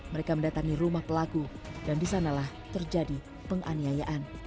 mereka mendatangi rumah pelaku dan disanalah terjadi penganiayaan